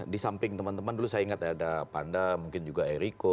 di samping teman teman dulu saya ingat ada panda mungkin juga eriko